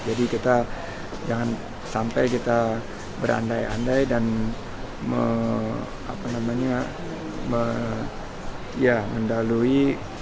jadi jangan sampai kita berandai andai dan mengendalui